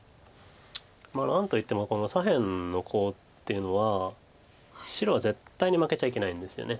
まあ何と言ってもこの左辺のコウっていうのは白は絶対に負けちゃいけないんですよね。